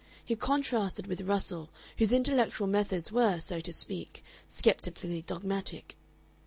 He contrasted with Russell, whose intellectual methods were, so to speak, sceptically dogmatic.